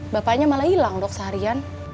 bapaknya malah hilang dok seharian